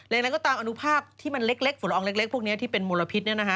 อย่างไรก็ตามอนุภาพที่มันเล็กฝุ่นละอองเล็กพวกนี้ที่เป็นมลพิษ